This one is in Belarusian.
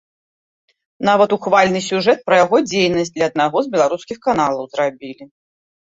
Нават ухвальны сюжэт пра яго дзейнасць для аднаго з беларускіх каналаў зрабілі.